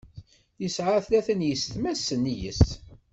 Yesεa tlata n yisetma-s sennig-s.